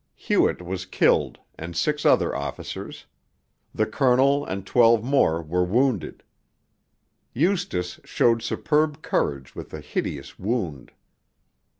Hewett was killed and six other officers, the Colonel and twelve more were wounded. Eustace showed superb courage with a hideous wound.